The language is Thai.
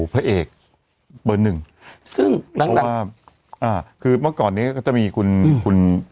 พระเอกเบอร์หนึ่งซึ่งนางแบบอ่าคือเมื่อก่อนนี้ก็จะมีคุณคุณ